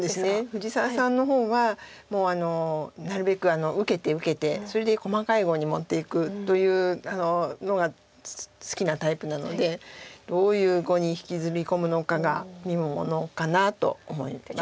藤沢さんの方はもうなるべく受けて受けてそれで細かい碁に持っていくというのが好きなタイプなのでどういう碁に引きずり込むのかが見ものかなと思います。